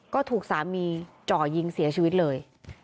ก็ถูกสามีจ่อยิงเสียชีวิตเลย